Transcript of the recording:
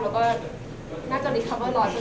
เราก็น่าจะรีคอเฟอร์รอดพอเสร็จแล้วนะครับ